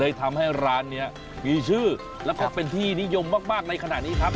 ทำให้ร้านนี้มีชื่อแล้วก็เป็นที่นิยมมากในขณะนี้ครับ